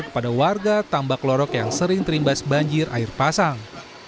kepada warga tambak lorok yang sering terimbas banjir air pasang